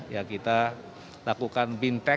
ya kita lakukan bintec